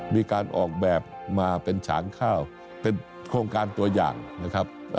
มีการออกแบบมาเป็นฉางข้าวเป็นโครงการตัวอย่างนะครับ